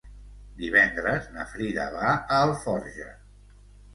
Divendres na Frida va a Alforja.